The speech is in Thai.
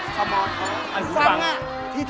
จะไปหาซื้อทันไหมล่ะตอนนี้